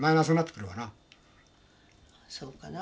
そうかなぁ。